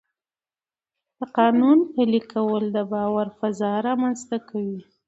د قانون پلي کول د باور فضا رامنځته کوي